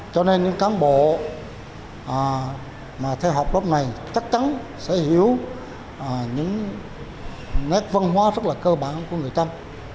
cho nên những cán bộ mà theo học lớp này chắc chắn sẽ hiểu những nét văn hóa rất là cơ bản của người trăm